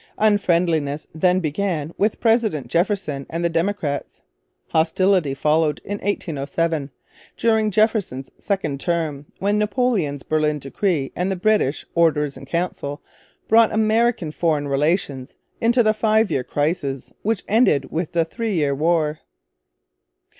Unfriendliness then began with President Jefferson and the Democrats. Hostility followed in 1807, during Jefferson's second term, when Napoleon's Berlin Decree and the British. Orders in Council brought American foreign relations into the five year crisis which ended with the three year war.